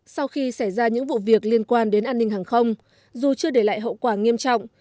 sau khi xảy ra những vụ việc liên quan đến an ninh hàng không dù chưa để lại hậu quả nghiêm trọng